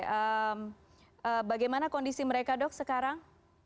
eee bagaimana kondisi mereka dok sekarang